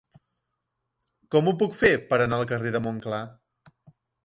Com ho puc fer per anar al carrer de Montclar?